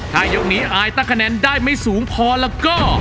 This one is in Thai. ถ้ายกนี้อายตั้งคะแนนได้ไม่สูงพอแล้วก็